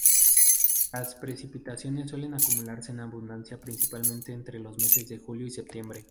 Las precipitaciones suelen acumularse en abundancia principalmente entre los meses de julio y septiembre.